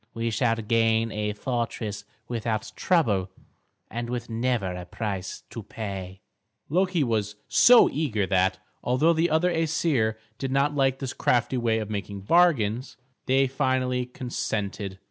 We shall gain a fortress without trouble and with never a price to pay." Loki was so eager that, although the other Æsir did not like this crafty way of making bargains, they finally consented.